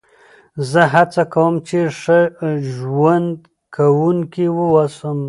زه هڅه کوم، چي ښه زدهکوونکی واوسم.